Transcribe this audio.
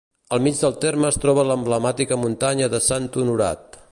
Al mig del terme es troba l'emblemàtica muntanya de Sant Honorat.